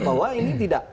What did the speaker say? bahwa ini tidak